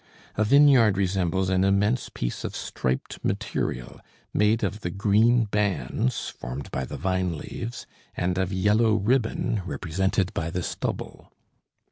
A vineyard resembles an immense piece of striped material, made of the green bands formed by the vine leaves, and of yellow ribbon represented by the stubble.